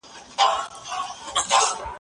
هغه څوک چي درسونه اوري پوهه زياتوي.